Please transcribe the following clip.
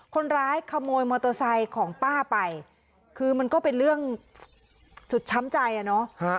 คนร้ายขโมยมอเตอร์ไซค์ของป้าไปคือมันก็เป็นเรื่องสุดช้ำใจอ่ะเนาะ